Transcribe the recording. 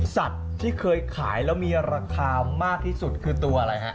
สัตว์ที่เคยขายแล้วมีราคามากที่สุดคือตัวอะไรฮะ